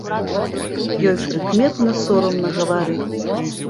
Ёй прыкметна сорамна гаварыць.